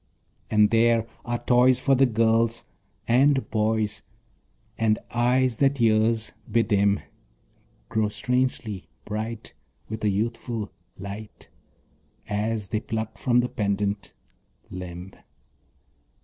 And there are toys for the girls and boys; And eyes that years bedim Grow strangely bright, with a youthful light, As they pluck from the pendant limb.